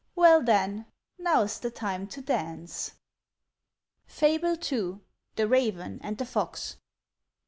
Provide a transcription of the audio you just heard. Well, then, now's the time to dance." FABLE II. THE RAVEN AND THE FOX.